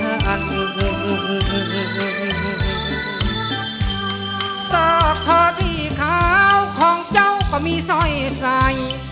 อกทอที่ขาวของเจ้าก็มีสร้อยใส่